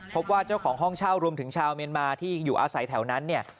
พบว่าเจ้าของห้องเช่ารวมถึงชาวเมียนมาที่อยู่อาศัยแถวนั้นเนี่ย